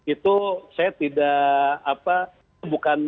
itu saya tidak